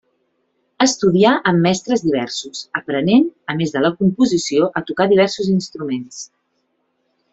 Estudià amb mestres diversos, aprenent, a més de la composició, a tocar diversos instruments.